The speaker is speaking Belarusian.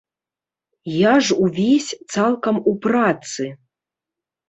Я ж увесь цалкам у працы!